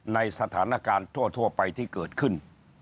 ในสถานการณ์ทั่วไปที่เกิดขึ้น